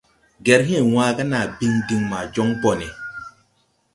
Gerhee wãã gà naa biŋ diŋ maa jo ɓone.